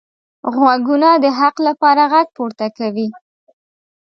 غوږونه د حق لپاره غږ پورته کوي